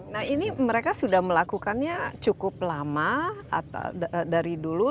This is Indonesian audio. nah ini mereka sudah melakukannya cukup lama dari dulu